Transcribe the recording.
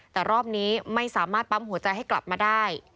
แต่รอบนี้ไม่สามารถปั๊มหัวใจให้กลับมาได้